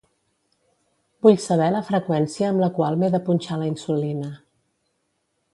Vull saber la freqüència amb la qual m'he de punxar la insulina.